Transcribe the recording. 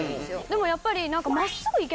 でもやっぱり。